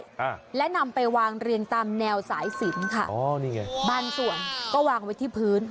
อ่าและนำไปวางเรียงตามแนวสายสินค่ะอ๋อนี่ไงบางส่วนก็วางไว้ที่พื้น